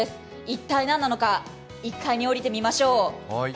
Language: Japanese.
一体何なのか、１階に下りてみましょう。